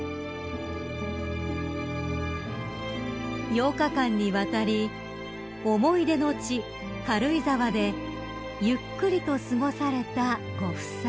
［８日間にわたり思い出の地軽井沢でゆっくりと過ごされたご夫妻］